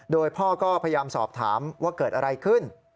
โดยพ่อก็พยายามสอบถามว่าเกิดอะไรขึ้น